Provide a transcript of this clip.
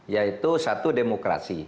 yaitu satu demokrasi